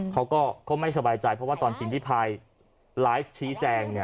เขาก็ไม่สบายใจเพราะว่าตอนสิ่งที่พายไลฟ์ชี้แจง